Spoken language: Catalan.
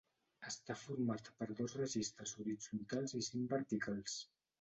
Està format per dos registres horitzontals i cinc verticals.